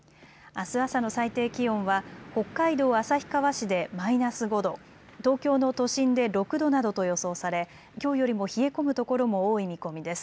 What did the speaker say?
あす朝の最低気温は北海道旭川市でマイナス５度、東京の都心で６度などと予想されきょうよりも冷え込む所も多い見込みです。